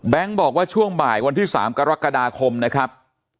บอกว่าช่วงบ่ายวันที่๓กรกฎาคมนะครับ